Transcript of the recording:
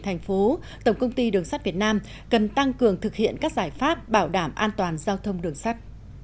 thành phố tổng công ty đường sắt việt nam cần tăng cường thực hiện các giải pháp bảo đảm an toàn giao thông đường sắt